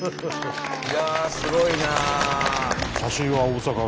いやあすごいなあ。